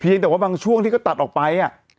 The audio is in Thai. เพียงแต่ว่าบางช่วงที่เขาตัดออกไปอ่ะ